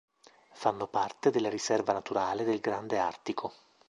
Fanno parte della Riserva naturale del Grande Artico.